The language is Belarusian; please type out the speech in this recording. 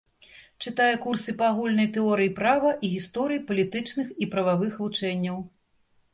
Чытае курсы па агульнай тэорыі права і гісторыі палітычных і прававых вучэнняў.